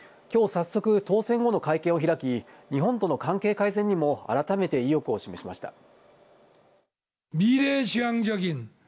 きょう早速、当選後の会見を開き、日本との関係改善にも改めて意欲を示しました。